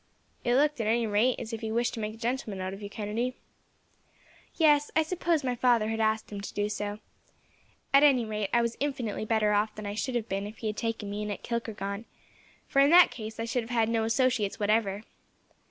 "It looked, at any rate, as if he wished to make a gentleman of you, Kennedy." "Yes, I suppose my father had asked him to do so. At any rate, I was infinitely better off than I should have been if he had taken me in at Kilkargan, for in that case I should have had no associates, whatever.